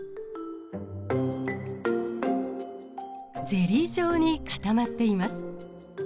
ゼリー状に固まっています。